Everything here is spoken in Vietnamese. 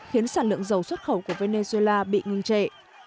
khiến sản lượng dầu xuất khẩu của venezuela bị ngừng trệ